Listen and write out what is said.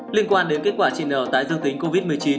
liên quan đến kết quả chị n tái dương tính covid một mươi chín